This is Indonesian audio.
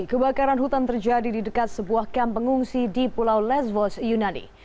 kebakaran hutan terjadi di dekat sebuah kamp pengungsi di pulau lesvos yunani